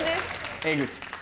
江口。